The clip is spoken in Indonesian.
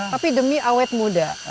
tapi demi awet muda